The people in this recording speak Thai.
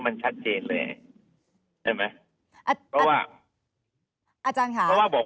แบบที่แบบเอ่อ